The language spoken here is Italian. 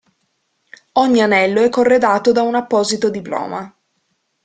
Ogni anello è corredato da un apposito diploma.